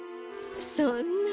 そんな。